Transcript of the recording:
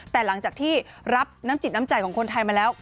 แต่หลังจากที่รับน้ำจิตน้ำใจของคนไทยมาแล้ว